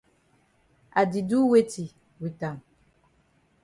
I di do weti wit am?